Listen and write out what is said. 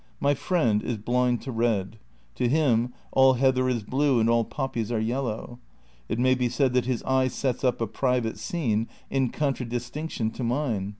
My friend is blind to red. To him all heather is blue and all poppies are yellow. It may be said that his eye sets up a private scene in contradistinction to mine.